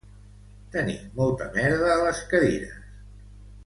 Tenir molta merda a les cadires